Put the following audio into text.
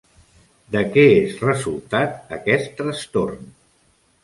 De què és resultat aquest trastorn?